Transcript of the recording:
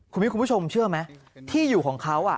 คุณผู้ชมเชื่อไหมที่อยู่ของเขา